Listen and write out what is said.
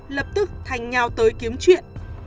lập tức thành nhau tới kiếm chuyện